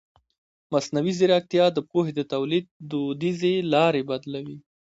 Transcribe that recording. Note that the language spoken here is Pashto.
مصنوعي ځیرکتیا د پوهې د تولید دودیزې لارې بدلوي.